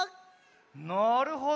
なるほど。